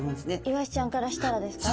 イワシちゃんからしたらですか？